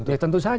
ya tentu saja